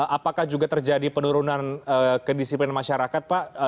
apakah juga terjadi penurunan kedisiplinan masyarakat pak